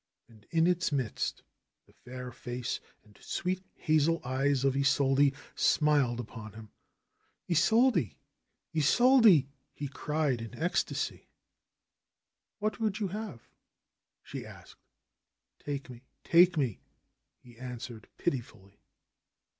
And in its midst the fair face and sweet hazel eyes of Isolde smiled upon him. ^Tsolde ! Isolde he cried in ecstasy. ''What would you have ?" she asked. "Take me ! take me he answered pitifully.